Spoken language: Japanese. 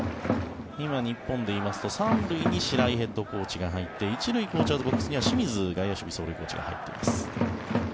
今、日本で言いますと３塁に白井ヘッドコーチが入りまして１塁コーチャーズボックスには清水外野手走塁コーチが入っています。